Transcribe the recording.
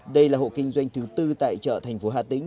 đây là hộ kinh doanh thứ tư tại chợ thành phố hà tĩnh